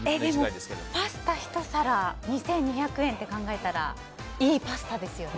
でも、パスタひと皿２２００円って考えたらいいパスタですよね。